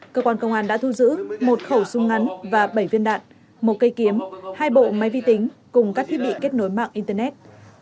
cơ quan công an đã thu giữ một khẩu súng ngắn và bảy viên đạn một cây kiếm hai bộ máy vi tính cùng các thiết bị kết nối mạng internet